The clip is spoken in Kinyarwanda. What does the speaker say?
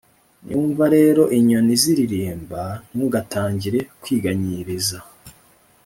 Niwumva rero inyoni ziririmba ntugatangire kwiganyiriza